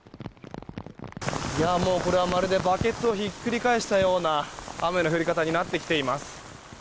もう、これはまるでバケツをひっくり返したような雨の降り方になってきています。